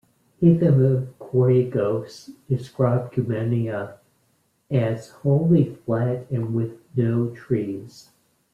Hethum of Korykos described Cumania as "wholly flat and with no trees".